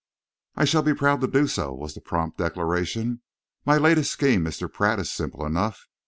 "I shall be proud to do so," was the prompt declaration. "My latest scheme, Mr. Pratt, is simple enough.